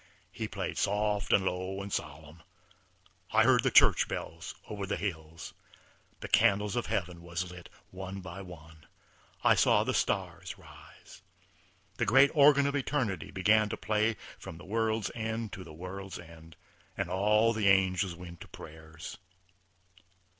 He played soft and low and solemn. I heard the church bells over the hills. The candles of heaven was lit, one by one; I saw the stars rise. The great organ of eternity began to play from the world's end to the world's end, and all the angels went to prayers....